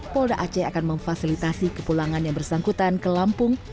polda aceh akan memfasilitasi kepulangan yang bersangkutan ke lampung